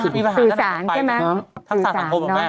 สื่อสารใช่ไหมทักษะสังคมกับแม่